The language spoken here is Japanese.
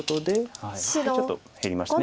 ちょっと減りました。